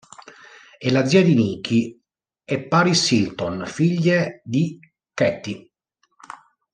È la zia di Nicky e Paris Hilton, figlie di Kathy.